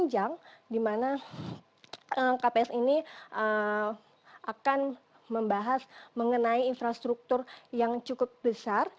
jadi ini adalah langkah panjang di mana kps ini akan membahas mengenai infrastruktur yang cukup besar